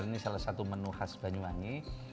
ini salah satu menu khas banyuwangi